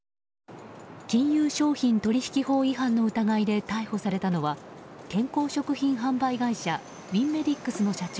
金融商品取引法違反の疑いで逮捕されたのは健康食品販売会社ウィンメディックスの社長